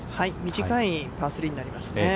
短いパー３になりますね。